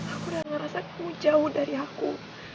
aku udah ngerasa kamu jauh dari aku